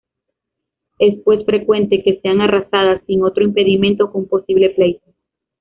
Es pues frecuente que sean arrasadas sin otro impedimento que un posible pleito.